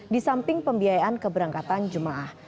di samping pembiayaan keberangkatan jemaah